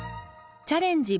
「チャレンジ！